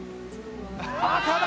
赤だ！